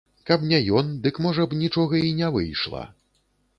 Каб не ён, дык, можа б, нічога і не выйшла.